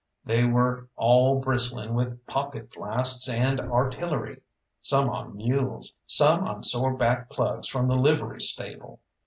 They were all bristling with pocket flasks and artillery, some on mules, some on sore back plugs from the livery stable.